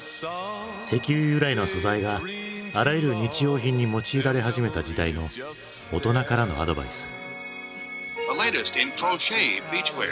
石油由来の素材があらゆる日用品に用いられ始めた時代の大人からのアドバイス。